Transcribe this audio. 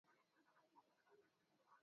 Mgonjwa amepona